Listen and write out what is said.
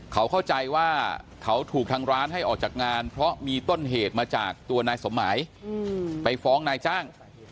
เขาเข้าใจว่าเขาถูกทางร้านให้ออกจากงานเพราะมีต้นเหตุมาจากตัวนายสมหมายไปฟ้องนายจ้าง